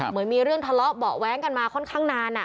เหมือนมีเรื่องทะเลาะเบาะแว้งกันมาค่อนข้างนาน